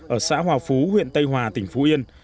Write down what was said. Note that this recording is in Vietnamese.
ở xã hòa phú huyện tây hòa tỉnh phú yên